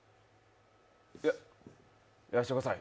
いや、やらしてください